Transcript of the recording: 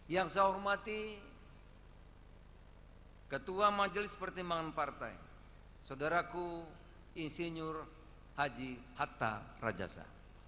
yang saya hormati ketua majelis pertimbangan partai saudaraku insinyur haji hatta rajasa